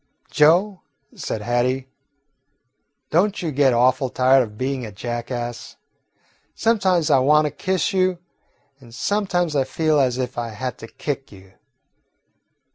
"Joe," said Hattie, "don't you get awful tired of being a jackass? Sometimes I want to kiss you, and sometimes I feel as if I had to kick you.